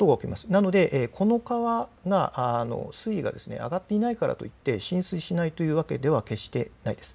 なので、この川の水位が上がっていないからといって浸水しないというわけでは決してないです。